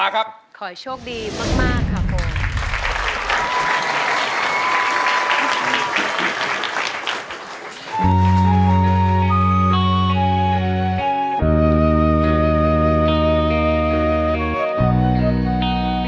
ขอโชคดีมากครับผม